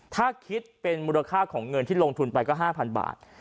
ถ้าคิดเป็นมูลค่าของเงินที่ลงทุนไปก็๕๐๐บาท